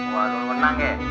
waduh menang ya